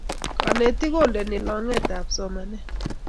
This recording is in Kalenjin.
kanetik kondeni longet ap somanet